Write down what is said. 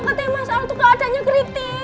mbak minta masa untuk keadanya kritis